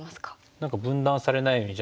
何か分断されないようにじゃあ